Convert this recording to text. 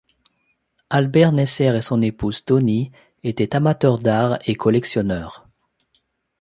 Albert Neisser et son épouse Toni étaient amateurs d'art et collectionneurs.